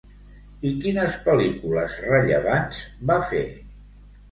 I quines pel·lícules rellevants va fer?